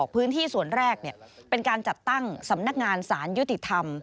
พื้นที่ส่วนแรกเป็นการจัดตั้งสำนักงานสารยุติธรรม